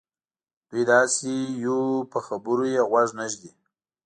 دوی داسې یوو په خبرو یې غوږ نه ږدي.